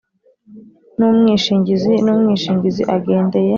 n umwishingizi n umwishingizi agendeye